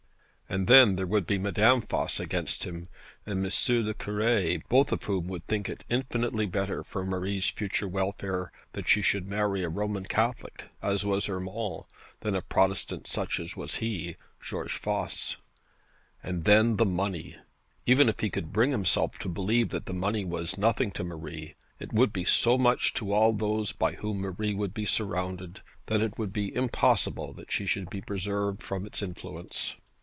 And then there would be Madame Voss against him, and M. le Cure, both of whom would think it infinitely better for Marie's future welfare, that she should marry a Roman Catholic, as was Urmand, than a Protestant such as was he, George Voss. And then the money! Even if he could bring himself to believe that the money was nothing to Marie, it would be so much to all those by whom Marie would be surrounded, that it would be impossible that she should be preserved from its influence.